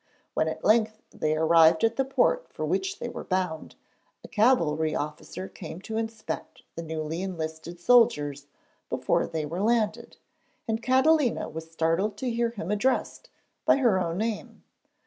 When at length they arrived at the port for which they were bound, a cavalry officer came to inspect the newly enlisted soldiers before they were landed, and Catalina was startled to hear him addressed by her own name.